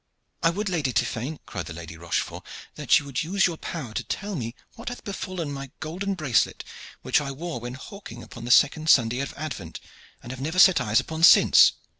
"I would, Lady Tiphaine," cried the Lady Rochefort, "that you would use your power to tell me what hath befallen my golden bracelet which I wore when hawking upon the second Sunday of Advent, and have never set eyes upon since."